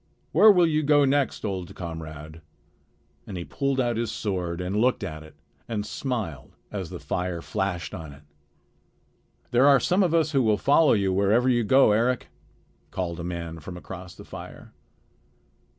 Where will you go next, old comrade?" and he pulled out his sword and looked at it and smiled as the fire flashed on it. "There are some of us who will follow you wherever you go, Eric," called a man from across the fire.